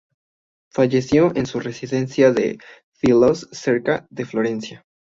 Falleció en su residencia de Fiesole, cerca de Florencia.